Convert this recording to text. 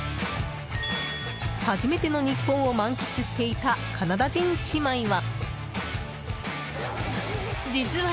初めての日本を満喫していたカナダ人姉妹は。